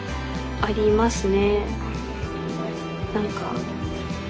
ありますね。